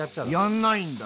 やんないんだ。